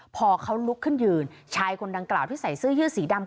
พอเขาลุกขึ้นยืนชายคนดังกล่าวที่ใส่เสื้อยืดสีดำ